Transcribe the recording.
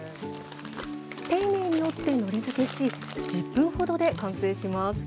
丁寧に折って、のり付けし１０分程で完成します。